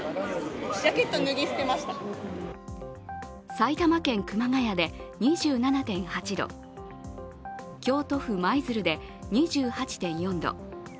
埼玉県熊谷で２７．８度、京都府舞鶴で２８．４度。